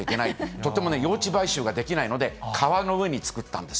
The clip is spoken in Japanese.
とても用地買収ができないので、川の上に作ったんです。